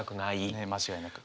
ね間違いなく。